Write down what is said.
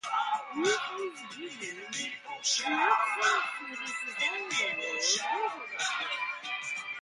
It was given the Excellent Swedish Design award later that year.